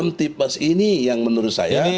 kamtip mas ini yang menurut saya